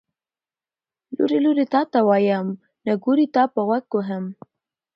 ـ لورې لورې تاته ويم، نګورې تاپه غوږ وهم.